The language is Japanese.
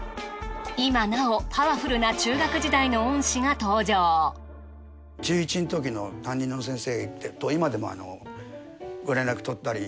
今なおパワフルな中学時代の恩師が登場中１のときの担任の先生と今でもご連絡とったり